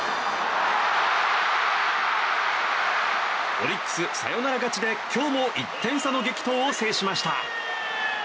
オリックス、サヨナラ勝ちで今日も１点差の激闘を制しました。